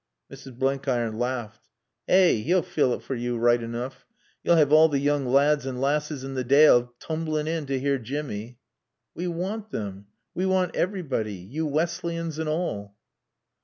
Mrs. Blenkiron laughed. "Eh he'll fill it fer you, right enoof. You'll have all the yoong laads and laasses in the Daale toomblin' in to hear Jimmy." "We want them. We want everybody. You Wesleyans and all."